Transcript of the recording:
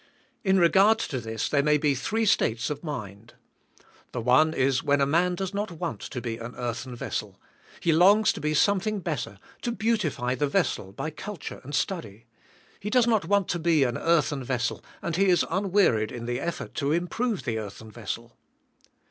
In regard to this there may be three states of mind. The one is when a man does not want to be an earthen vessel. He longs to be something better, to beautify the vessel by cul ture and study. He does not want to be an earthen vessel and he is unwearied in the effort to improve the earthen vessel.